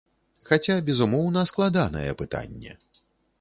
Хаця, безумоўна, складанае пытанне.